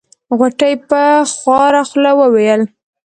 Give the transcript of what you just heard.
غوټۍ په خواره خوله وويل.